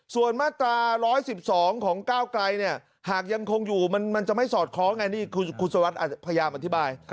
ส่วนมาตรา๑๑๒ของก้าวไกลเนี่ยหากยังคงอยู่มันจะไม่สอดคล้องไงนี่คุณสวัสดิ์พยายามอธิบาย